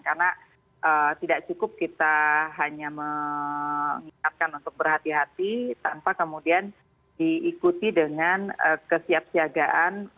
karena tidak cukup kita hanya mengingatkan untuk berhati hati tanpa kemudian diikuti dengan kesiapsiagaan